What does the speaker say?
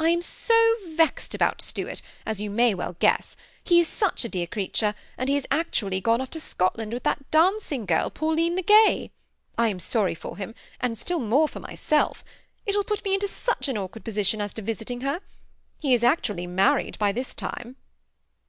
^' I am so vexed about Stuart, as you may well guess. He is such a dear creature, and he has actually gone off to Scotland with that dancing girl, Pauline Le Gray. I am sorry for him, and still more for myself. It will put me into such an awkward position as to visiting her. He is actually married by this time."